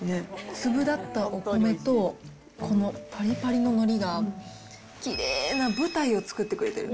粒だったお米と、このぱりぱりののりが、きれいな舞台を作ってくれてる。